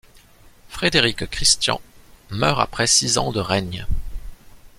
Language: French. Frédéric-Christian meurt après six ans de règne.